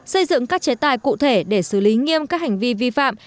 xây dựng các chế tài cụ thể để xử lý nghiêm các hành vi vi phạm